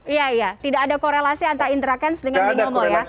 iya iya tidak ada korelasi antara intra kants dengan binomo ya